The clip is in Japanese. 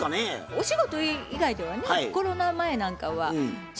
お仕事以外ではねコロナ前なんかは師匠とは表でね。